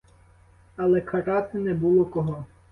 Але карати не було кого.